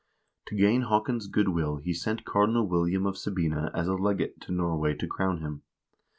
To gain Haakon's good will he sent Cardinal William of Sabina as a legate to Norway to crown him.